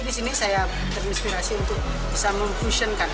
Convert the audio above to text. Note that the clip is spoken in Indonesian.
di sini saya terinspirasi untuk bisa menu fusion kan